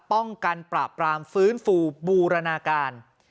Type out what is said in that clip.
ป้องกันปราบรามฟื้นฟูบูรณาการ